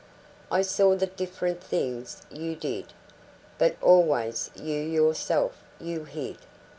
I saw the different things you did, But always you yourself you hid.